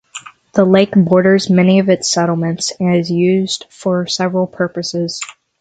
The lake borders many of its settlements and is used for several purposes.